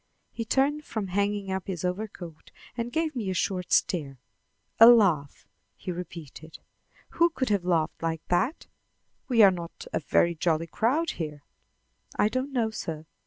He turned from hanging up his overcoat, and gave me a short stare. "A laugh!" he repeated. "Who could have laughed like that? We are not a very jolly crowd here." "I don't know, sir.